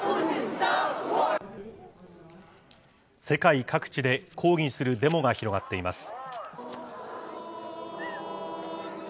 世界各地で抗議するデモが広がっています。